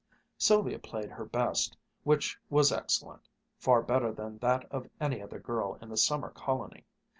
Sylvia played her best, which was excellent, far better than that of any other girl in the summer colony.